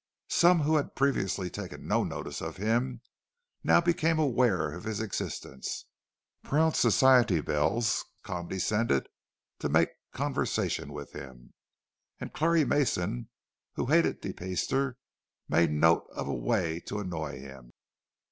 Some who had previously taken no notice of him now became aware of his existence; proud society belles condescended to make conversation with him, and Clarrie Mason, who hated de Peyster, made note of a way to annoy him.